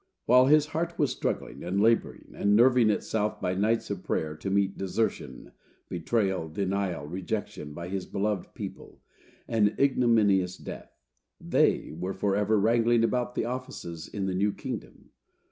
While his heart was struggling and laboring, and nerving itself by nights of prayer to meet desertion, betrayal, denial, rejection, by his beloved people, and ignominious death, they were forever wrangling about the offices in the new kingdom.